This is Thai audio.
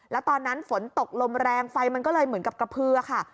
แล้วตอนนั้นฝนตกลมแรงไฟมันก็เลยเหมือนกับกระพือค่ะ